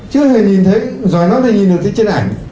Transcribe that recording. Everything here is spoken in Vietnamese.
chưa hề nhìn thấy rồi nó thì nhìn được trên ảnh